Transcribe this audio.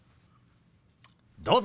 どうぞ。